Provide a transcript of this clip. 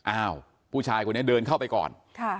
อ้าวผู้ชายคนนี้เดินเข้าไปก่อน